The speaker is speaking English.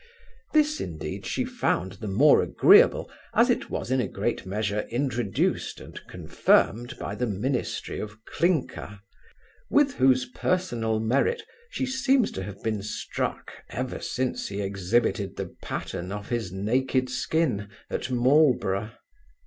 This, indeed, she found the more agreeable, as it was in a great measure introduced and confirmed by the ministry of Clinker, with whose personal merit she seems to have been struck ever since he exhibited the pattern of his naked skin at Marlborough.